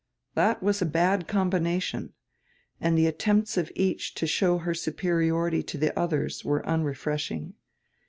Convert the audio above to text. That was a bad combination, and die attempts of each to show her superiority to die odiers were unrefreshing.